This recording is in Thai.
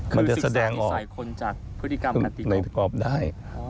คือสิทธิศาสตร์นิสัยคนจากพฤติกรรมการตีกอล์ฟได้